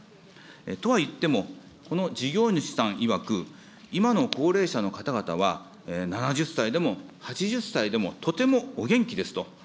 とはいっても、この事業主さんいわく、今の高齢者の方々は７０歳でも８０歳でもとてもお元気ですと。